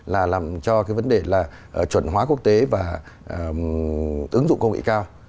là làm cho cái vấn đề là chuẩn hóa quốc tế và ứng dụng công nghệ cao